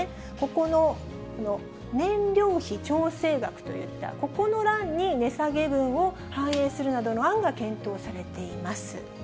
ここの燃料費調整額といったここの欄に、値下げ分を反映するなどの案が検討されています。